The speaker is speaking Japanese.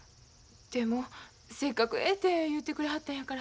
でもせっかくええて言ってくれはったんやから。